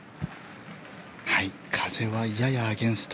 風はややアゲンスト。